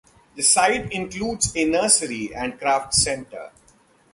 The site includes a nursery and craft centre.